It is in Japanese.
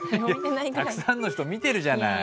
たくさんの人見てるじゃない。